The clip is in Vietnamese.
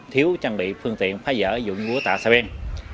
thiếu trang bị phương tiện phá dỡ dụng của tạ xa bên